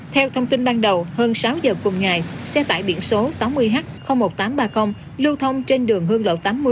theo thông tin ban đầu hơn sáu giờ cùng ngày xe tải biển số sáu mươi h một nghìn tám trăm ba mươi lưu thông trên đường hương lậu tám mươi